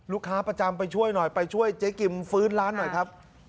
ประจำไปช่วยหน่อยไปช่วยเจ๊กิมฟื้นร้านหน่อยครับ